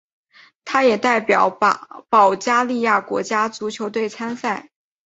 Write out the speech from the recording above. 他也代表保加利亚国家足球队参赛。